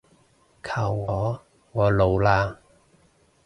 靠我，我老喇